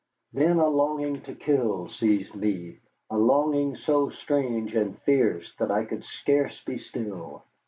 Then a longing to kill seized me, a longing so strange and fierce that I could scarce be still.